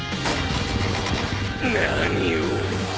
何を？